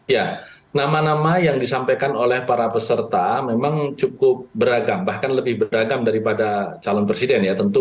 ya nama nama yang disampaikan oleh para peserta memang cukup beragam bahkan lebih beragam daripada calon presiden ya tentu